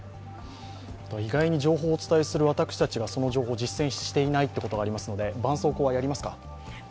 以外に情報をお伝えする私たちがその情報を実践していないということがありますので絆創膏はやりますか？